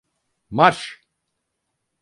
Marş!